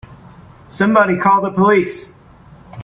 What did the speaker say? Somebody call the police!